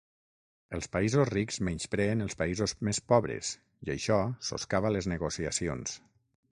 Els països rics menyspreen els països més pobres i això soscava les negociacions.